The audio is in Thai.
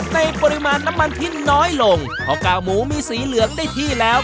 ปริมาณน้ำมันที่น้อยลงเพราะกาวหมูมีสีเหลืองได้ที่แล้ว